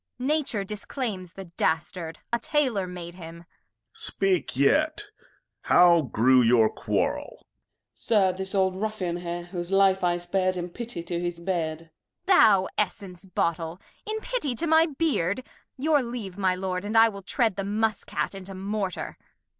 Nature disclaims the Dastard ; a Taylor made him. Duke. Speak yet, how grew your Quarrel ? Gent. Sir, this old Ruf&an here, whose Life I spar'd. In Pity to his Beard. Kent. Thou Essence Bottle ! In Pity to my Beard Your Leave my Lord, And I will tread the Muss cat into Mortar.